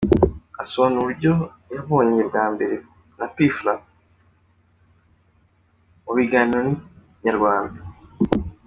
Asobanura uburyo yabonanye bwa mbere na Pfla mu kiganiro n’inyarwanda.